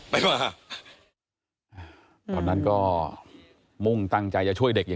พี่สมหมายก็เลย